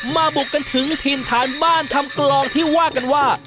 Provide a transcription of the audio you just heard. บุกกันถึงถิ่นฐานบ้านทำกลองที่ว่ากันว่า